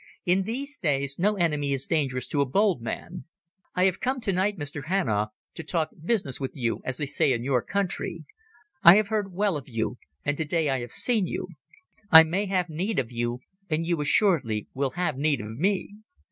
"In these days no enemy is dangerous to a bold man. I have come tonight, Mr Hanau, to talk business with you, as they say in your country. I have heard well of you, and today I have seen you. I may have need of you, and you assuredly will have need of me...."